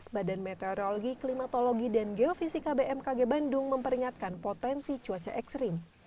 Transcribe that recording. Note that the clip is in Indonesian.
badan meteorologi klimatologi dan geofisika bmkg bandung memperingatkan potensi cuaca ekstrim